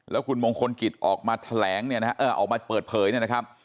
แล้วคุณมงคลกิจออกมาแถลงเนี่ยนะฮะออกมาเปิดเผยเนี่ยนะครับ